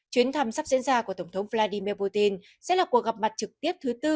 chuyến thăm sắp diễn ra của tổng thống vladimir putin sẽ là cuộc gặp mặt trực tiếp thứ tư